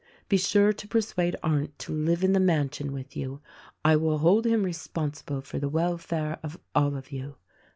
"Be sure to persuade Arndt to live in the mansion with you. I will hold him responsible for the welfare of all of you.